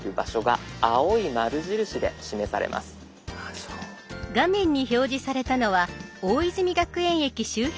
そうすると画面に表示されたのは大泉学園駅周辺の地図。